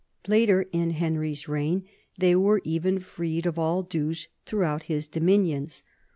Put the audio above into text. Later in Henry's reign they were even freed of all dues through out his dominions.